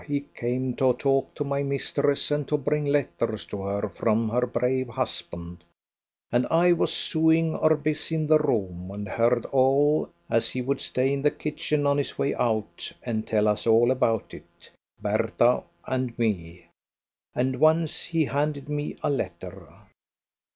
he came to talk to my mistress and to bring letters to her from her brave husband, and I was sewing, or busy in the room, and heard all as he would stay in the kitchen on his way out and tell us all about it Bertha and me; and once he handed me a letter.